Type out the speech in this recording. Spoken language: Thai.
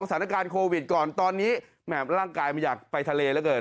สถานการณ์โควิดก่อนตอนนี้แหม่ร่างกายมันอยากไปทะเลเหลือเกิน